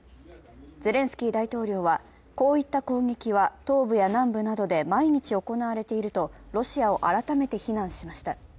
ゼレンスキー大統領は、こういった攻撃は東部や南部などで毎日行われているとロシアを改めて非難しました。